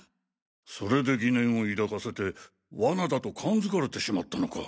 それで疑念を抱かせて罠だと勘付かれてしまったのか。